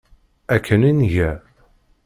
Akken i nga.